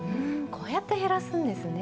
こうやって減らすんですね。